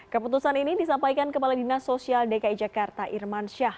keputusan ini disampaikan kepala dinas sosial dki jakarta irman syah